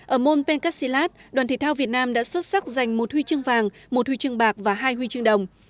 ở môn pencastilat đoàn thể thao việt nam đã xuất sắc giành một huy trường vàng một huy trường bạc và hai huy trường đồng